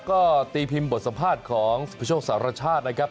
ก็ตีพิมพ์บทสัมภาษณ์ของสุภโชคสารชาตินะครับ